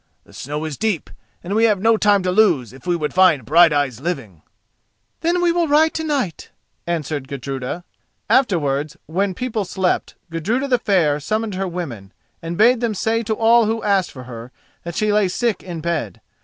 The snow is deep and we have no time to lose if we would find Brighteyes living." "Then we will ride to night," answered Gudruda. Afterwards, when people slept, Gudruda the Fair summoned her women, and bade them say to all who asked for her that she lay sick in bed.